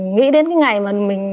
nghĩ đến cái ngày mà mình